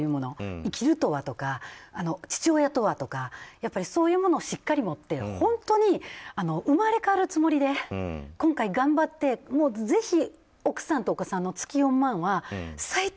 生きるとはとか、父親とはとかそういうものをしっかり持って本当に生まれ変わるつもりで今回、頑張って、ぜひお子さんと奥さんの月４万円は最低